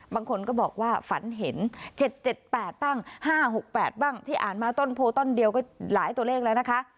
บางคนก็บอกว่าฝันเห็นเจ็ดเจ็ดแปดบ้างห้าหกแปดบ้างที่อ่านมาต้นโพลต้นเดียวก็หลายตัวเลขแล้วนะคะ